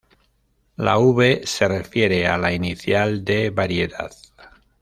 La V se refiere a la inicial de "variedad".